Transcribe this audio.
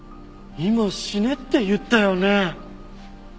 今死ねって言ったよね？